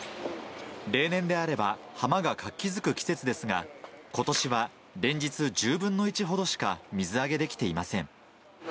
例年であれば、浜が活気づく季節ですが、ことしは連日、１０分の１ほどしか水揚げできていません。